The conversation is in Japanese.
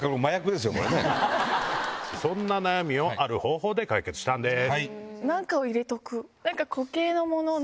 そんな悩みをある方法で解決したんです。